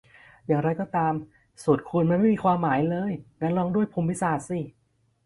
อย่างไรก็ตาม สูตรคูณมันไม่มีความหมายเลย งั้นลองด้วยภูมิศาสตร์สิ